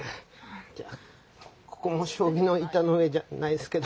ここも将棋の板の上じゃないですけど。